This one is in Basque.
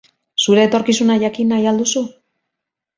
Zure etorkizuna jakin nahi al duzu?